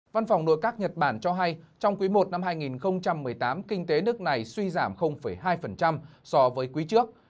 văn phòng nội các nhật bản cho hay trong quý i năm hai nghìn một mươi tám kinh tế nước này suy giảm hai so với quý trước